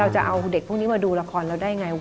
จะเอาเด็กพวกนี้มาดูละครเราได้ไง